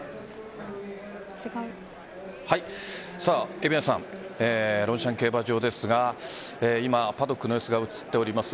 蛯名さんロンシャン競馬場ですが今、パドックの様子が映っております。